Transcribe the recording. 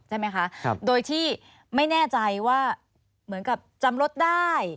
ใช่ไหมคะโดยที่ไม่แน่ใจว่าเหมือนกับจำรถได้